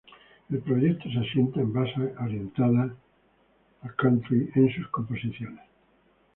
El proyecto se asienta en bases orientadas al country en sus composiciones.